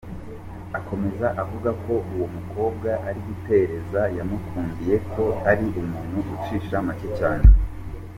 Akomeza avuga ko uwo mukobwa ari gutereza yamukundiye ko ari umuntu ucisha make cyane.